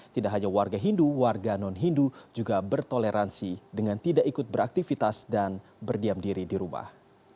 tidak hanya warga hindu warga non hindu juga bertoleransi dengan tidak ikut beraktivitas dan berdiam diri di rumah